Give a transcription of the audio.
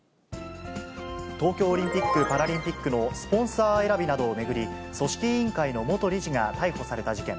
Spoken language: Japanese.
東京オリンピック・パラリンピックのスポンサー選びなどを巡り、組織委員会の元理事が逮捕された事件。